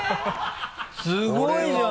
すごいじゃん！